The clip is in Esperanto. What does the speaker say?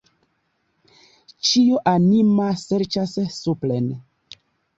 Ĉio anima serĉas supren.